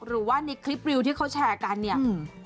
หรือว่าในคลิปวิวที่เขาแชร์กันเนี่ย